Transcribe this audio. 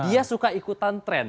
dia suka ikutan tren